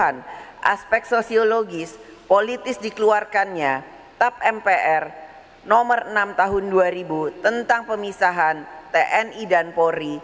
dan aspek sosiologis politis dikeluarkannya tap mpr nomor enam tahun dua ribu tentang pemisahan tni dan polri